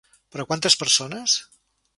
Per a quantes persones?